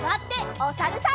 おさるさん。